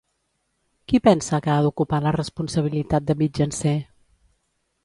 Qui pensa que ha d'ocupar la responsabilitat de mitjancer?